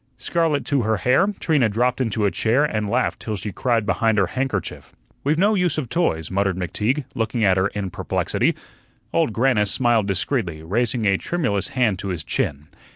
Scarlet to her hair, Trina dropped into a chair and laughed till she cried behind her handkerchief. "We've no use of toys," muttered McTeague, looking at her in perplexity. Old Grannis smiled discreetly, raising a tremulous hand to his chin.